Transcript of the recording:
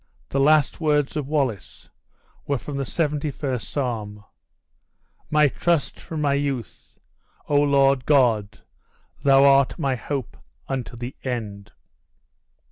The last words of Wallace were from the 71st Psalm "My trust from my youth! O Lord God, thou art my hope unto the end!"